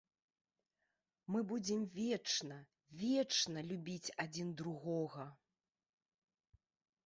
Мы будзем вечна, вечна любіць адзін другога.